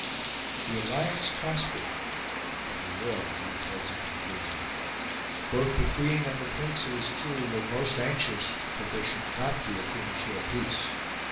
The alliance prospered, and the war drew towards a conclusion. Both the Queen and the Prince, it is true, were most anxious that there should not be a premature peace.